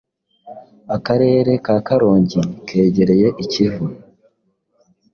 Akarere ka Karongi kegereye ikivu